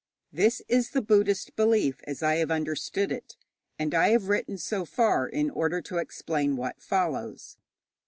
_ This is the Buddhist belief as I have understood it, and I have written so far in order to explain what follows.